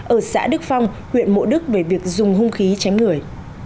ở xã đức phong huyện mộ đức về việc dùng hung khí tránh người